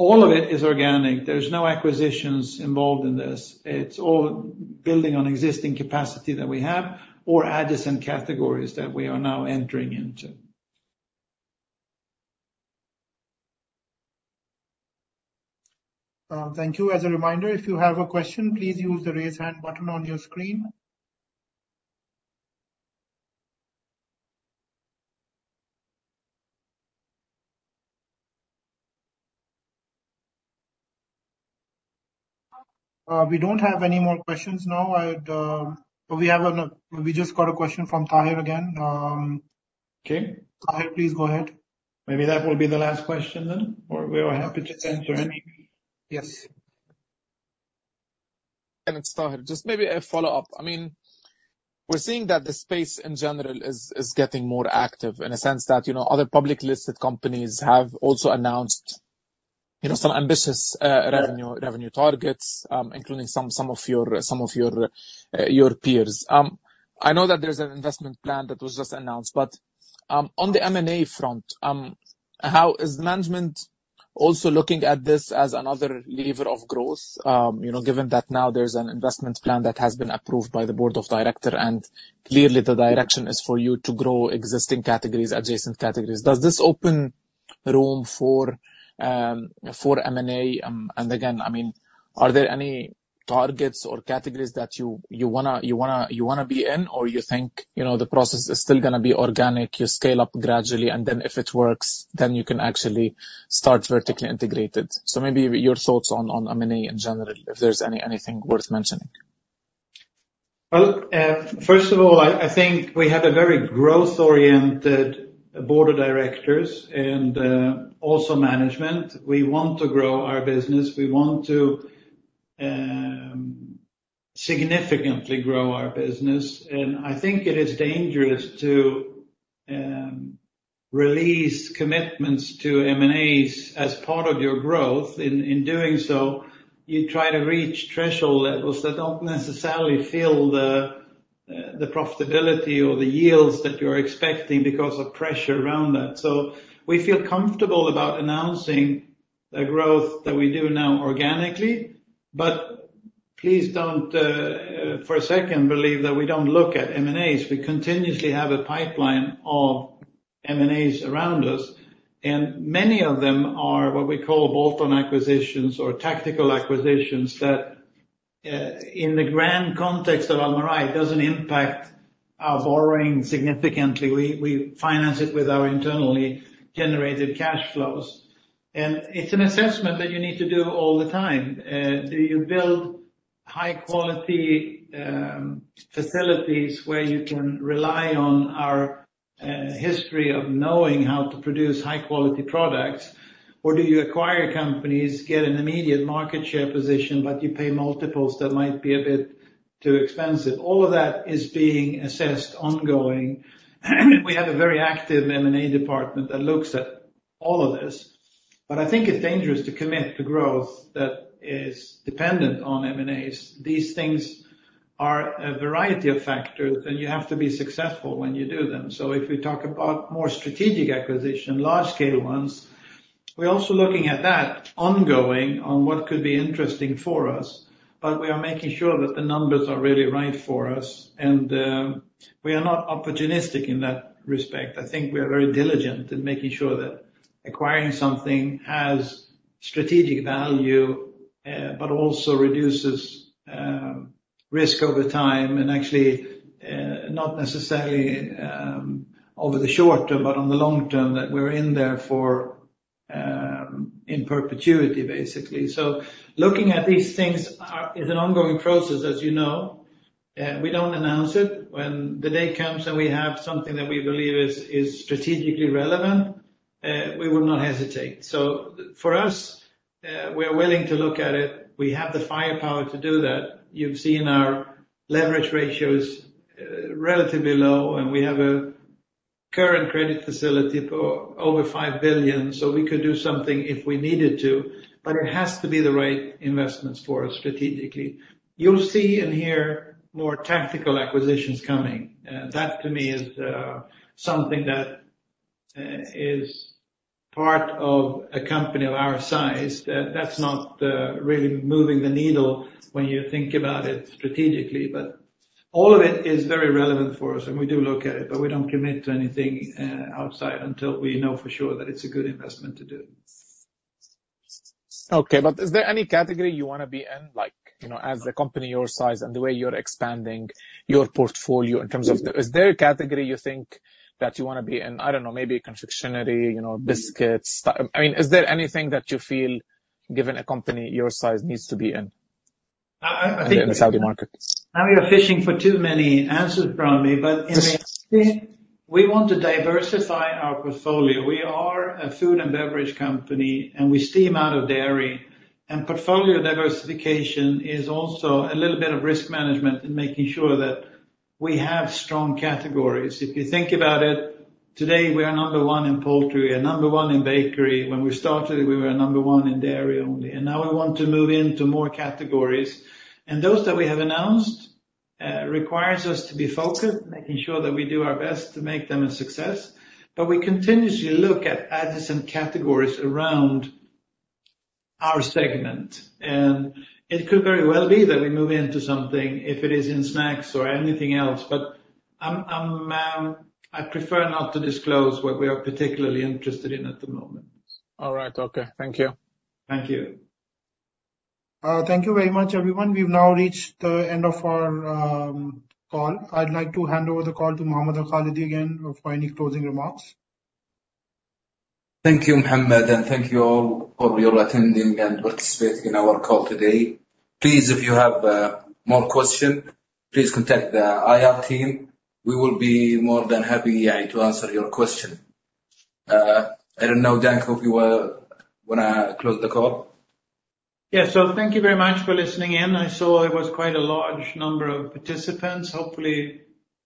All of it is organic. There's no acquisitions involved in this. It's all building on existing capacity that we have or adjacent categories that we are now entering into. Thank you. As a reminder, if you have a question, please use the raise hand button on your screen. We don't have any more questions now. We just got a question from Taher again. Okay. Taher, please go ahead. Maybe that will be the last question then. Or we are happy to answer any. Yes. It's Taher. Just maybe a follow-up. I mean, we're seeing that the space in general is getting more active in a sense that other public listed companies have also announced some ambitious revenue targets, including some of your peers. I know that there's an investment plan that was just announced. But on the M&A front, is management also looking at this as another lever of growth, given that now there's an investment plan that has been approved by the board of director? And clearly, the direction is for you to grow existing categories, adjacent categories. Does this open room for M&A? And again, I mean, are there any targets or categories that you want to be in? Or you think the process is still going to be organic? You scale up gradually. And then if it works, then you can actually start vertically integrated. So maybe your thoughts on M&A in general, if there's anything worth mentioning? Well, first of all, I think we have a very growth-oriented board of directors and also management. We want to grow our business. We want to significantly grow our business. I think it is dangerous to release commitments to M&As as part of your growth. In doing so, you try to reach threshold levels that don't necessarily fill the profitability or the yields that you are expecting because of pressure around that. We feel comfortable about announcing the growth that we do now organically. Please don't, for a second, believe that we don't look at M&As. We continuously have a pipeline of M&As around us. Many of them are what we call bolt-on acquisitions or tactical acquisitions that, in the grand context of Almarai, doesn't impact our borrowing significantly. We finance it with our internally generated cash flows. It's an assessment that you need to do all the time. Do you build high-quality facilities where you can rely on our history of knowing how to produce high-quality products? Or do you acquire companies, get an immediate market share position, but you pay multiples that might be a bit too expensive? All of that is being assessed ongoing. We have a very active M&A department that looks at all of this. But I think it's dangerous to commit to growth that is dependent on M&As. These things are a variety of factors. You have to be successful when you do them. So if we talk about more strategic acquisition, large-scale ones, we're also looking at that ongoing on what could be interesting for us. But we are making sure that the numbers are really right for us. We are not opportunistic in that respect. I think we are very diligent in making sure that acquiring something has strategic value but also reduces risk over time and actually not necessarily over the short term but on the long term that we're in there for in perpetuity, basically. Looking at these things is an ongoing process, as you know. We don't announce it. When the day comes and we have something that we believe is strategically relevant, we will not hesitate. For us, we are willing to look at it. We have the firepower to do that. You've seen our leverage ratios relatively low. We have a current credit facility for over 5 billion. We could do something if we needed to. But it has to be the right investments for us strategically. You'll see and hear more tactical acquisitions coming. That, to me, is something that is part of a company of our size that's not really moving the needle when you think about it strategically. But all of it is very relevant for us. And we do look at it. But we don't commit to anything outside until we know for sure that it's a good investment to do. Okay. But is there any category you want to be in as a company your size and the way you're expanding your portfolio in terms of the, is there a category you think that you want to be in? I don't know, maybe confectionery, biscuits. I mean, is there anything that you feel, given a company your size, needs to be in the Saudi market? Now you're fishing for too many answers from me. But in the end, we want to diversify our portfolio. We are a food and beverage company. And we stem out of dairy. And portfolio diversification is also a little bit of risk management in making sure that we have strong categories. If you think about it, today, we are number one in poultry, number one in bakery. When we started, we were number one in dairy only. And now we want to move into more categories. And those that we have announced requires us to be focused, making sure that we do our best to make them a success. But we continuously look at adjacent categories around our segment. And it could very well be that we move into something if it is in snacks or anything else. But I prefer not to disclose what we are particularly interested in at the moment. All right. Okay. Thank you. Thank you. Thank you very much, everyone. We've now reached the end of our call. I'd like to hand over the call to Mohammad Al-Khalidi again for any closing remarks. Thank you, Muhammad. Thank you all for your attending and participating in our call today. Please, if you have more questions, please contact the IR team. We will be more than happy to answer your question. I don't know, Danko, if you want to close the call. Yeah. So thank you very much for listening in. I saw it was quite a large number of participants. Hopefully,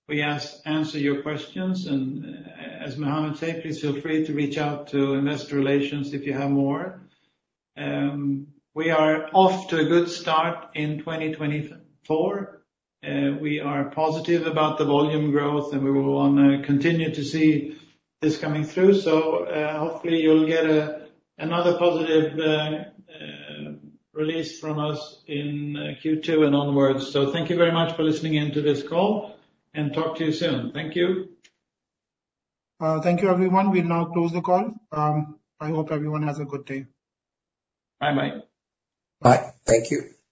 we answered your questions. And as Mohammad said, please feel free to reach out to Investor Relations if you have more. We are off to a good start in 2024. We are positive about the volume growth. And we will want to continue to see this coming through. So hopefully, you'll get another positive release from us in Q2 and onward. So thank you very much for listening into this call. And talk to you soon. Thank you. Thank you, everyone. We'll now close the call. I hope everyone has a good day. Bye-bye. Bye. Thank you.